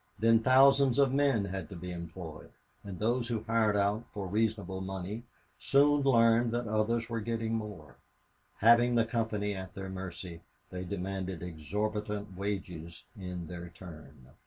Then thousands of men had to be employed, and those who hired out for reasonable money soon learned that others were getting more; having the company at their mercy, they demanded exorbitant wages in their turn.